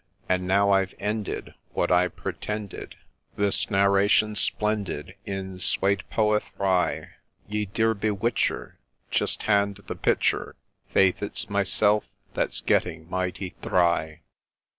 And now, I've ended, what I pretended, This narration splendid in swate poe thry, Ye dear bewitcher, just hand the pitcher, Faith, it 's myself that 's getting mighty dhry.